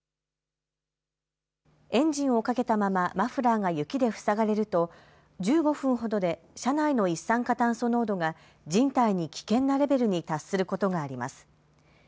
エンジンをかけたままマフラーが雪で塞がれると１５分ほどで車内の一酸化炭素濃度が人体に危険なレベルに達することがあります。